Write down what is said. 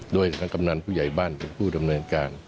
ด้วยการกำหนังผู้ใหญ่บ้านและผู้ดำเนินการ